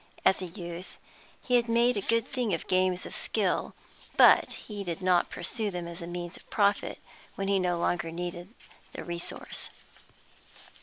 As a youth he had made a good thing of games of skill, but did not pursue them as a means of profit when he no longer needed the resource.